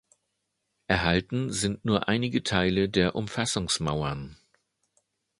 Erhalten sind nur einige Teile der Umfassungsmauern.